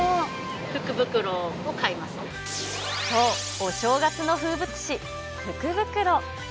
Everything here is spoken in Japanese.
そう、お正月の風物詩、福袋。